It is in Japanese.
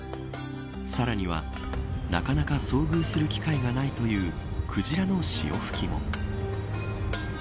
さらには、なかなか遭遇する機会がないというクジラの潮吹きも。